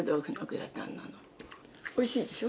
「おいしいでしょ？」